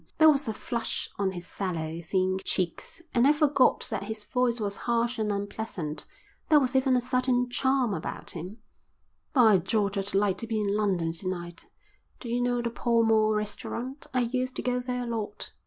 There was a flush on his sallow, thin cheeks, and I forgot that his voice was harsh and unpleasant. There was even a certain charm about him. "By George, I'd like to be in London to night. Do you know the Pall Mall restaurant? I used to go there a lot.